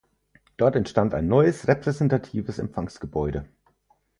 Dort entstand ein neues repräsentatives Empfangsgebäude.